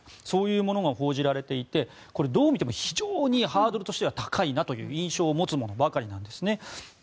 そういうものも報じられていてこれはどう見ても非常にハードルとしては高いなという印象を持つものばかりなんですね。